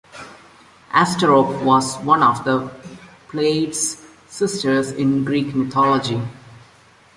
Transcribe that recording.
Asterope was one of the Pleiades sisters in Greek mythology.